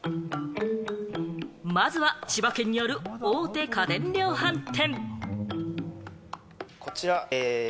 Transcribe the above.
まずは千葉県にある大手家電量販店。